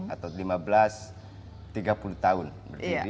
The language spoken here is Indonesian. atau seribu lima ratus tiga puluh tahun berdiri